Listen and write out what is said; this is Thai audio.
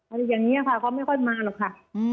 อะไรอย่างนี้ค่ะเขาไม่ค่อยมาหรอกค่ะ